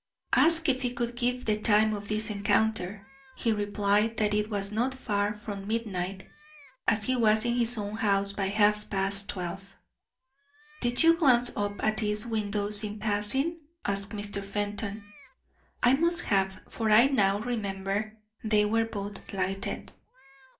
Asked if he could give the time of this encounter, he replied that it was not far from midnight, as he was in his own house by half past twelve. "Did you glance up at these windows in passing?" asked Mr. Fenton. "I must have; for I now remember they were both lighted."